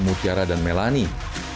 mutiara dan melanie